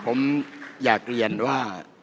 ผมอยากเรียนว่า